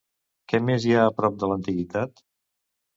Què més hi ha a prop, de l'Antiguitat?